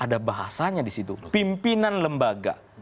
ada bahasanya di situ pimpinan lembaga